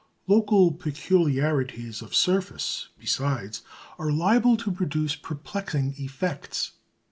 Local peculiarities of surface, besides, are liable to produce perplexing effects.